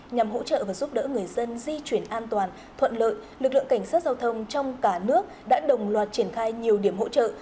nhằm hỗ trợ và giúp đỡ người dân di chuyển an toàn thuận lợi lực lượng cảnh sát giao thông trong cả nước đã đồng loạt triển khai nhiều điểm hỗ trợ